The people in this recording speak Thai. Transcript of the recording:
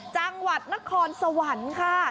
จังหวัดนครสวรรค์ค่ะ